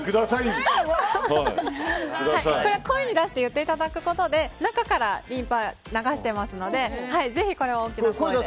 声に出して言っていただくことで中からリンパを流していますのでぜひ、これは大きな声で。